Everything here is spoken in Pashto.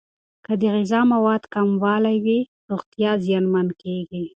که د غذا موادو کموالی وي، روغتیا زیانمن کیږي.